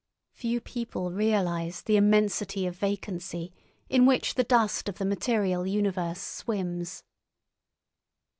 Few people realise the immensity of vacancy in which the dust of the material universe swims.